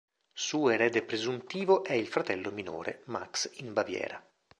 Suo erede presuntivo è il fratello minore, Max in Baviera.